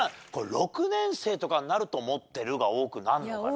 ６年生とかになると「持ってる」が多くなるのかな？